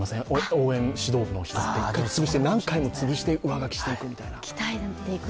応援指導部の人って、何回もつぶして上書きしていくみたいな。